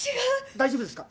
大丈夫ですか？